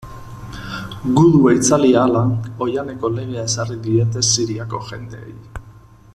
Gudua itzali ahala, oihaneko legea ezarri diete Siriako jendeei.